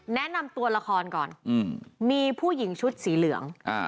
แนะนำตัวละครก่อนมีผู้หญิงชุดสีเหลือง